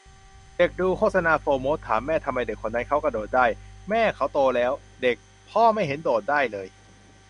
เด็กดูโฆษณาโฟร์โมสต์ ถามแม่ทำไมคนนั้นเค้ากระโดดได้ แม่ :'เค้าโตแล้ว' เด็ก :'พ่อไม่เห็นโดดได้เลย'